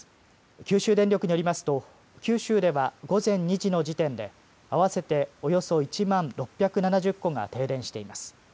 九州電力によりますと九州では午前２時の時点で合わせておよそ１万６７０戸が停電しています。